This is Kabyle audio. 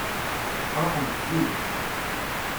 Ruḥent zik.